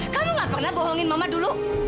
kamu gak pernah bohongin mama dulu